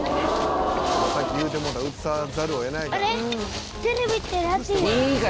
「先言うてもうたら映さざるを得ないからね」